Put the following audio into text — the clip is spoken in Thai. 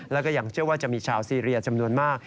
แล้วก็ยังเชื่อว่าจะมีชาวซีเรียจำนวนมาก